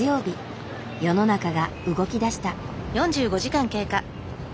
世の中が動きだした。